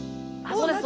そうです